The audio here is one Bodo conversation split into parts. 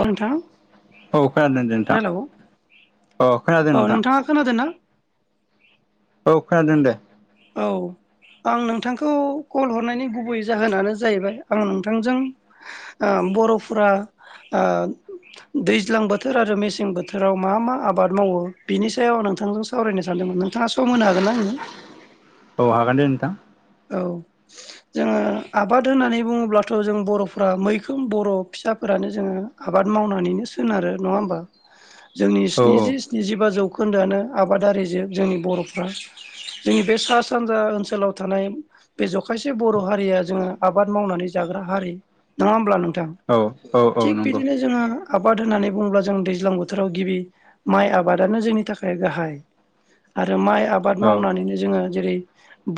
औ नोंथां औ खोनादों दे नोंथां हेल' खोनादों औ नोंथां नोंथाङा खोनादों ना? औ खोनादों दे। औ आं नोंथांखौ कल हरनायनि गुबै जाहोनानो जाहैबाय आं नोंथांजों ओ बर'फोरा आ दैज्लां बोथोर आरो मेसें बोथोराव मा-मा आबाद मावो बिनि सायाव आं नोंथांजों सावरायनो सानदोंमोन। नोंथाङा सम होनो हागोन ना आंनो? औ हागोन दे नोंथां। औ जोङो आबाद होननानै बुङोब्लाथ' जों बर'फ्रा मैखोम बर' फिसाफो रानो जोङो आबाद मावनानैनो सोनारो नङा होमबा जोंनि औ स्निजि स्नि जिबा जौ खोन्दोआनो आबादारि जोब जोंनि बर'फ्रा जोंनि बे सा सानजा ओनसोलाव थानाय बे जखायसे बर' हारिया जोङो आबाद मावनानै जाग्रा हारि नङा होमब्ला नों थां औ औ औ थिग नंगौ बिदिनो जोंहा आबाद होननानै बुङोब्ला जों दैज्लां बोथोराव गिबि माइ आबादानो जोंनि थाखाय गाहाय आरो माइ आबाद औ मावनानैनो जोङो जेरै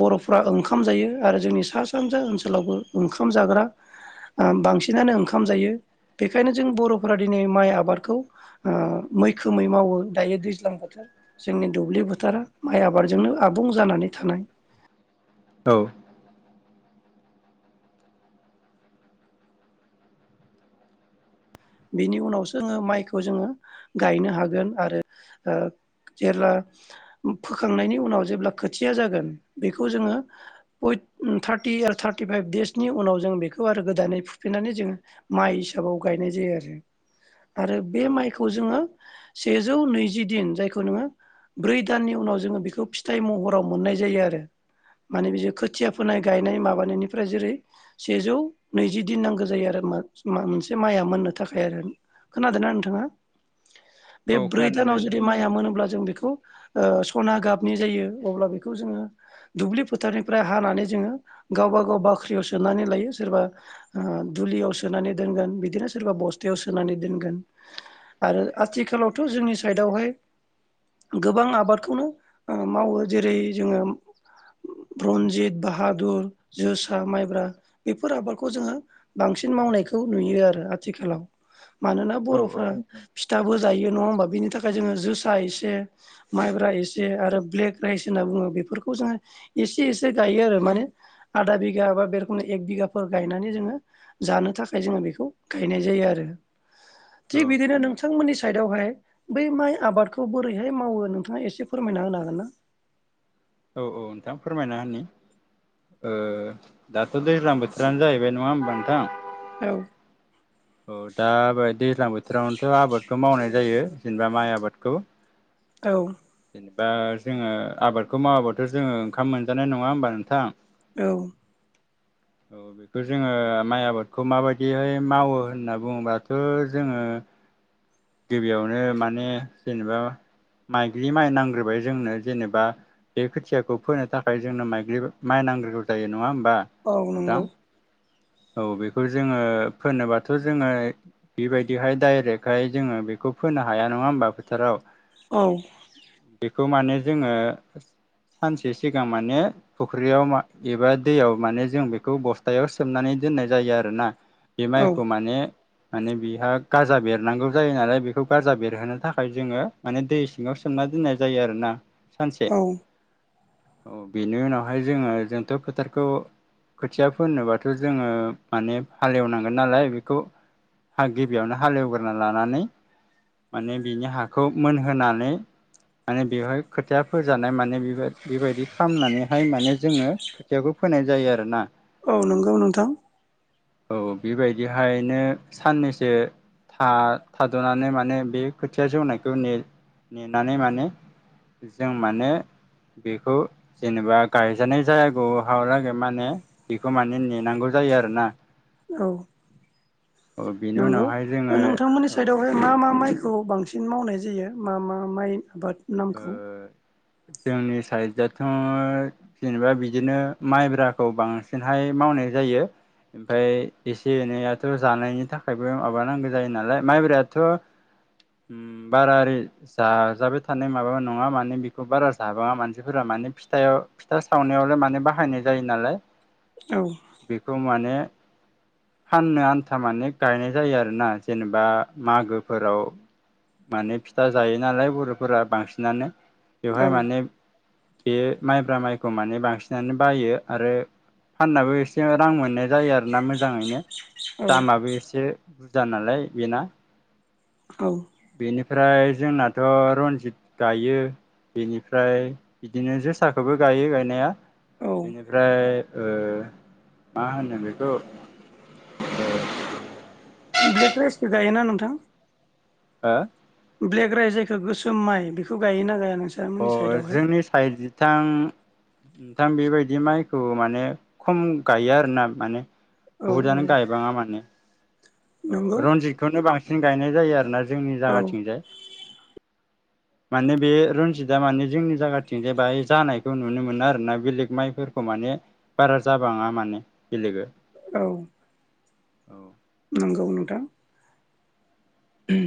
बर' फ्रा ओंखाम जायो आरो जोंनि सा सानजा ओनसोलावबो ओंखाम जाग्रा बांसिनानो ओंखाम जायो। बेखायनो जों बर'फोरा दिनै माइ आबादखौ ओ मैखोमै मावो दायो दैज्लां बोथोर जोंनि दुब्लि बोथारा माइ आबादजोंनो आबुं जानानै थानाय औ। बिनि उनावसो जोङो माइखौ जोङो गायनो हागोन आरो ओ जेब्ला फोखांनायनि उनाव जेब्ला खोथिया जागोन बेखौ जोङो [unintelligible] थारटि आरो थारटिफाइभ देसनि उनाव जों बेखौ आरो गोदानै फुफिनानै जोङो माइ हिसाबाव गायनाय जायो आरो आरो बे औ माइखौ जोङो सेजौ नैजि दिन जायखौ नोङो ब्रै दाननि उनाव जोङो बिखौ फिथाइ महराव मोननाय जायो आरो माने बियो खो थिया फोनाय गायनाय औ माबानायनिफ्राय जेरै सेजौ नैजि दिन नांगौ जायो आरो मोनसे माइया मोननो थाखाय आरो खोनादोंना नोंथाङा बे औ ब्रै खोनादों दे दानाव नोंथां जुदि माइया मोनोब्ला जों बेखौ ओ सना गाबनि जायो अब्ला बिखौ जोङो दुब्लि फोथारनिफ्राय हानानै जोङो गावबा-गाव बाख्रियाव सोनानै लायो सोरबा ओ दुलियाव सोनानै दोनगोन बिदिनो सोरबा बस थायाव सोनानै दोनगोन आरो आथिखालावथ' जोंनि सायेदावहाय गोबां आबादखौनो ओ मावो जेरै जोङो रनजित बाहादुर जोसा माइब्रा बेफोर आबादखौ जोङो बांसिन मावनायखौ नुयो आरो आथिखालाव मानोना औ बर'फ्रा फिथाबो जायो नङा होमबा बेनि थाखाय जोङो जोसा एसे माइब्रा एसे आरो ब्लेक राइस हो ना बुङो बेफोरखौ जोङो एसे एसे गायो आरो माने आदा बिघा बा [unintelligible] एग बिघाफोर गायनानै जोङो जानो थाखाय जोङो बेखौ गायनाय जायो आरो औ थिग बिदिनो नोंथांमोननि साइडावहाय बै माइ आबादखौ बोरैहाय मावो नोंथाङा एसे फोरमायना होनो हागोन ना? [inaudible] औ औ नोंथां फोरमायना होनि ओ दा थ' दैज्लां बोथोरानो जाहैबाय नङा होमबा नोंथां? औ। ओ दा बे दैलां बोथोरावनो आबादखौ मावनाय जायो जेनेबा माइ आबादखौ ना औ जेने बा जोङो आबादखौ मावाब्लााथ' जोङो ओंखाम मोनजानाय नङा होमबा नोंथां? औ। औ बेखो जोङो माइ आबादखौ माबायदिहाय मावो होनना बुङोबाथ' जोङो गिबियावनो माने जेनेबा माइज्लि माइ नांग्रोबाय जोंनो जेनेबा बे खोथियाखौ फोनो थाखाय जोंनो माइ माइ नांग्रौ जायो नङा होम औ नंगौ औ बेखौ जोङो फोनोबाथ' जोङो बेबायदिहाय डाइरेक्टहाय जोङो बे फोनो हाया नङा होमबा फोथाराव औ बेखौ मानि जोङो सानसे सिगां माने फुख्रियाव एबा दैयाव माने जों बेखौ बस्थायाव सोबनानै दोननाय जायो आरोना बे औ माइखौ मान माने बिहा गाजा बेरनांगौ। जायो नालाय बेखौ गारजा बेरहोनो थाखाय जोङो माने दै सिङाव सोमना दोननाय जायो आरो ना सानसे औ औ बेनि उनावहाय जोङो जोंथ' फोथारखौ खोथिया फोननोबाथ' जोङो माने हालेवनांगोन नालाय बेखौ हा गिबियावनो हालेवग्रोना लानानै माने बिनि हाखौ मोनहोनानै माने बेवहाय खोथिया फोजानाय माने बे बेबायदि खालामनानैहाय माने जोङो खोथियाखौ फैनाय जायो आरोना औ नंगौ नोंथां। औ बेबायदिहायनो साननैसो था थाद'नानै माने बे खोथिया जौनायखौ ने नेनानै माने जों माने बेखौ जेनेबा गायजानाय जायागौ हालागै माने बेखौ माने नेनांगौ जायो। जायो आरो ना। औ बेनि नंगौ उनावहाय जोङो नोंथांमोननि औ साइदआवहाय मा मा माइखौ खौ बांसिन मावनाय जायो मा मा माइ आबाद ओ नामखौ जोंनि साइडआथ' जेनेबा बिदिनो माइब्राखौ बांसिनहाय मावनो नाय जायो। ओमफ्राय एसे एनैयाथ' जानायनि थाखायबो माबानांगौ जायो नालाय माइब्रायाथ' बारा जा जाब थानाय माबा नङा माने बेखौ बारा जाबाङा मानसिफोरा माने फिथा फिथा सावनायावलाय माने बाहायनाय जायो। जायो नालाय औ बेखौ माने [inaudible] फाननो आन्था माने गायनाय जायो आरोना जेनेबा मागोफोराव माने फिथा जायो नालाय बर'फोरा बांसिनानो बेवहाय औ माने बेयो माइब्रा माइखौ माने बांसिनानो बायो आरो फाननाबो एसे रां मोननाय जायो आरोना मोजाङैनो औ दामाबो एसे बुरजा नालाय बेना औ। ओमफ्राय जोंनाथ' रन जित गायो बेनिफ्राय बिदिनो जोसाखौबो गायो गायनाया औ बेनिफ्राय ओ मा होनो बेखौ ब्लेक राइसखौ गायोना नोंथां हो ब्लेक राइस जायखौ गोसोम माइ बेखौ गायोना गाया। अ नोंसामोननि साइडआवहाय जोंनि साइद जां नोंथां बेबायदि माइखौ माने खम गायो आरो ना माने औ बहुतआनो औ गायबाङा माने औ नंगौ रनजितखौनो बांसिन गायनाय जायो आरोना जोंनि औ जायगाथिंजाय। माने बे रनजितआ माने जोंनि जायगाथिं जाय जानायखौ नुनो मोनो आरोना बेलेग माइफोरखौ माने बारा जाबाङा माने बेलेग औ औ। नंगौ नोंथां। ओम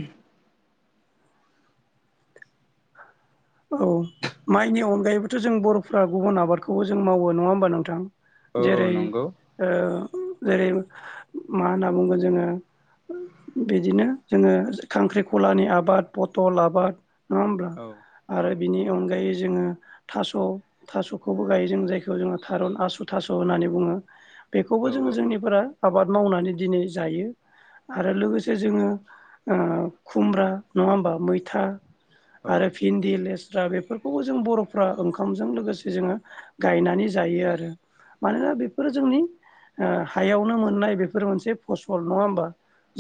औ माइनि अनगायैबोथ' जों बर'फ्रा गुबुन आबादखौबो जों मावो नङा होमबा नोंथां। औ जेरै नंगौ ओ जेरै मा होनना बुंगोन जोङो। बिदिनो जोङो खांख्रिखलानि आबाद पथल आबाद नङा होमब्ला औ औ आरो बिनि अनगायै जोङो थास' थास'खौबो गायो जों जायखौ जोङो थारुन आसु थास' होननानै बुङो। बेखौबो जोङो जोंनिफोरा आबाद मावनानै दिनै जायो। आरो लोगोसे जोङो ओ खुमब्रा नङा होमबा मैथा आरो औ भिन्दि लेस्रा बेफोरखौबो जों बर'फ्रा ओंखामजों लोगोसे जोङो गायनानै जायो आरो मानोना बेफोरो जोंनि हायावनो मोननाय बेफोर मोनसे फसल नङा होमबा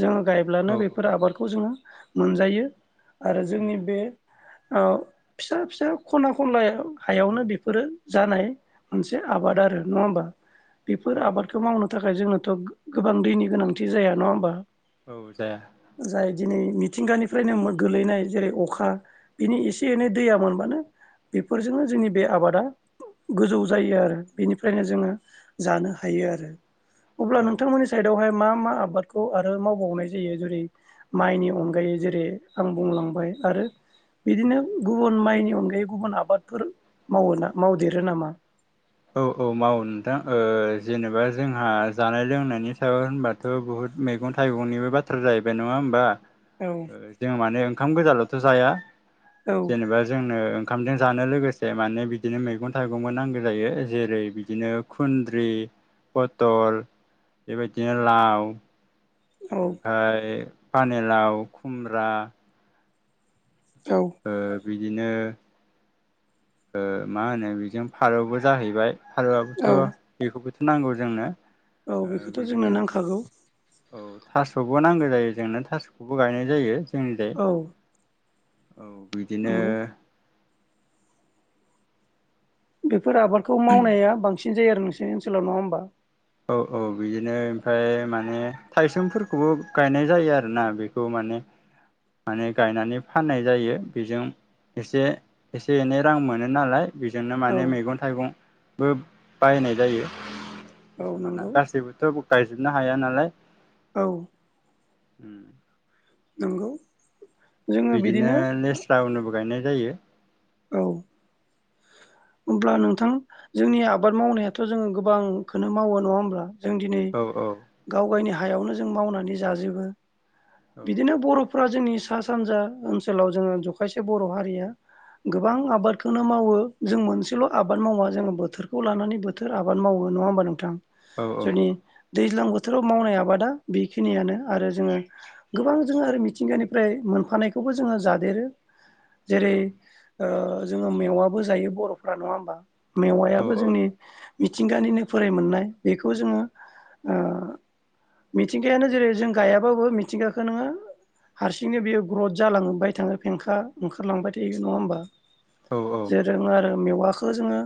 जोङो गायब्लानो औ बेफोर आबादखौ जोङो मोनजायो आरो जोंनि उम बे ओ फिसा फिसा खना खनला हायावनो बेफोरो जानाय मोनसे आबादारि आरो नङा होमबा बेफोर औ आबादखौ मावनो थाखाय जोंनाथ' गोबां दैनि गोनांथि जाया नङा होमबा औ जाया जाय दिनै मिथिंगानिफ्रायनो गोलैनाय जेरै अखा बिनि एसे एनै दैया मोनबानो बेफोरजोंनो जोंनि बे आबादा। गोजौ जायो आरो बेनिफ्रायनो जोङो जानो हायो आरो अब्ला औ नोंथांमोननि साइद आवहाय मा मा आबादखौ आरो मावबावनाय जायो जेरै माइनि अनगायै जेरै आं बुंलांबाय आरो बिदिनो गुबुन माइनि अनगायै गुबुन आबादफोर माव मावदेरो नामा। औ औ मावो नोंथां ओ जेनेबा जोंहा जानाय लोंनायनि सायाव होनबाथ' बुहुत मैगं थाइगंनिबो बाथ्रा जाहैबाय नङा होनोमबा औ जों माने ओंखाम गोजानाल'थ' जाया औ जेनेबा जोंनो ओंखामजों जानो लोगोसे माने बिदिनो मैगं थाइगंबो नांगौ। जायो जेरै बिदिनो खुन्द्रि पथल बेबायदिनो लाव ओमफाय पानिलाव खुमब्रा औ ओ बि बिदिनो ओ मा होनो बेजों फारौबो जाहैबाय फारौबोथ' औ बेखौबोथ' नांगौ जोंनो औ ओ बेखौथ' जोंनो बिदिनो नांखागौ औ थास'बो नांगौ जायो जोंनो थास'खौबो गायनाय जायो जोंनिजाय औ औ बिदिनो नंगौ फोरा आबादखौ मावनाया बांसिन जायो आरो नोंसोरनि ओनसोलाव नङा होमबा औ औ बिदिनो ओमफफ्राय माने थाइसोमफोरखौबो गायनाय जायो आरोना बेखौ माने माने गायनानै फाननाय जायो बेजों एसे एसे एनै रां मोनो नालाय बेजोंनो औ माने मैगं थाइगंबो बायनाय जायो। औ माना नंगौ गासैबोथ' गायजोबनो हाया नालाय औ उम नंगौ बिदिनो लेस्रा उनोबो गायनाय जायो। औ हब्ला नोंथां जोंनि आबाद मावनायाथ' जों गोबांखौनो मावो नंङा होमब्ला? जों दिनै औ गावगायनि हायावनो जों मावनानै जाजोबो औ बिदिनो बर' फरा जोंनि सा सानजा ओनसोलाव जों जखायसे बर' हारिया गोबां आबादखौनो मावो जों मोनसेल' आबाद मावा जों बोथोरखौ लानानै बोथोर आबाद मावो नङामबा नोंथां? औ जोंनि दैज्लां बोथोराव मावनाय आबादा बेखिनियानो आरो जोंङ गोबां जों आरो मिथिंगानिफ्राय मोनफानायखौबो जोंङ जादेरो जेरै औ औ जोङो मेवाबो जायो बर'फ्रा नङा होमबा औ मेवायाबो जोंनि मिथिंगानिनो फोराय मोननाय। बेखौ जोंङो मिथिंगायानो जेरै जों गायाबाबो मि थिंगाखो नोङो हारसिंनो बेयो ग्रथ जालांबाय थाङो फेंखा ओंखारलांबाय थायो नङा होमबा? औ जेरों आरो मेवाखौ जोङो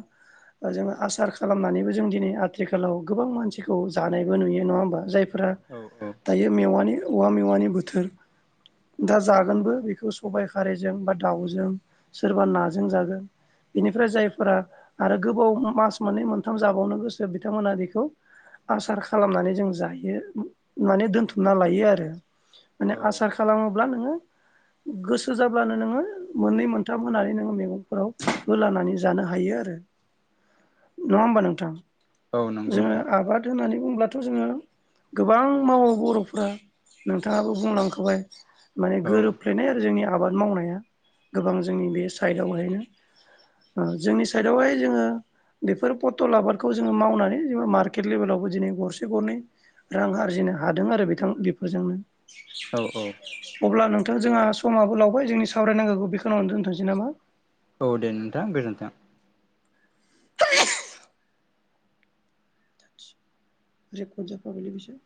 जों आसार खालामनानैबो जों दिनै आथिखालाव गोबां मानसिखौ जानायबो नुयो नङा होमबा जाय फ्रा औ औ दायो मेवा औवा मेवानि बोथोर। दा जागोनबो बेखौ सबाइ खारैजों बा दाउजों सोरबा नाजों जागोन। बेनिफ्राय जायफोरा आरो गोबाव मास मोननै मोनथाम जाबावनो गोसो बिथांमोना बेखौ आसार खालामनानै जों जायो माने दोनथुमना लायो आ रो माने औ आसा खालामोब्ला नोङो गोसो जाब्लानो नोङो मोननै मोनथाम होनानै नोङो मैगंफोराव होलानानै जानो हायो आरो नङा होमबा नोंथां? औ नंगौ जोङो नोंथां आबाद होननानै बुङोब्लाथ' जों गोबां मावो बर'फ्रा नोंथाङाबो बुंलांखाबाय माने औ गोरोबलायनाय आरो जोंनि आबाद मावनाया। गोबां जोंनि बे साइडआवहायनो जोंनि साइडआवहाय जोङो बेफोर पथल आबादखौ जोङो मावनानै जों मार्केट लेबेलावबो दिनै गरसे गरनै रां आरजिनो हादों आरो बिथां बेफोरजोंनो। औ औ थां जोंहा समाबो लावबाय जोंनि सावरायनांगौ बेखेनिआवो दोन्थ'नोसै नामा? औ दे नोंथां गोजोन्थों। [inaudible] रेकट जाफाबायलै बेसो